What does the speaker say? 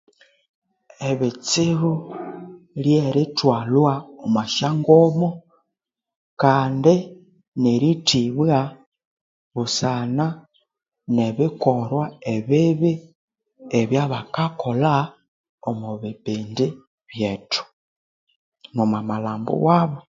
Ebitsibu lyerithwalhwa omwa sya ngomo kandi nerithibwa busana nebikorwa ebibi ebya bakakolha omwa bipindi byethu nomwa malhambo wabo.